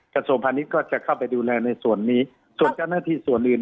กระทรวงพาณิชย์ก็จะเข้าไปดูแลในส่วนนี้ส่วนเจ้าหน้าที่ส่วนอื่น